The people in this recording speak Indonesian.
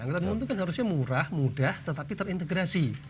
angkutan umum itu kan harusnya murah mudah tetapi terintegrasi